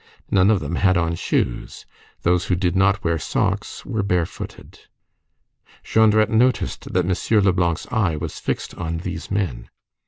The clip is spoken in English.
None of them had on shoes; those who did not wear socks were barefooted. Jondrette noticed that M. Leblanc's eye was fixed on these men.